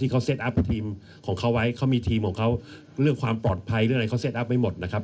เขาเซ็ตอัพกับทีมของเขาไว้เขามีทีมของเขาเรื่องความปลอดภัยเรื่องอะไรเขาเซ็ตอัพไว้หมดนะครับ